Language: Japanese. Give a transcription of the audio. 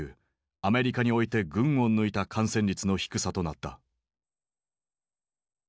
アメリカにおいて群を抜いた感染率の低さとなった。